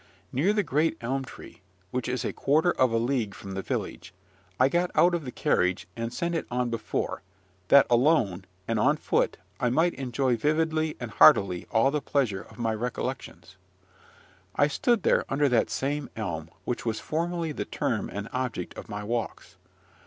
Near the great elm tree, which is a quarter of a league from the village, I got out of the carriage, and sent it on before, that alone, and on foot, I might enjoy vividly and heartily all the pleasure of my recollections. I stood there under that same elm which was formerly the term and object of my walks.